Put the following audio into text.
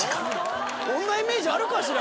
こんなイメージあるかしら？